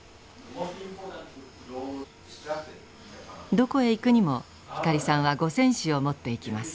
どこへ行くにも光さんは五線紙を持っていきます。